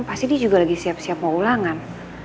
pasti dia juga lagi siap siap mau ulangan